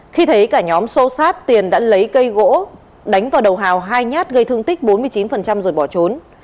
khi thấy cả nhóm xô xát tiền đã lấy cây gỗ đánh vào đầu hào hai nhát gây thương tích bốn mươi chín rồi bỏ trốn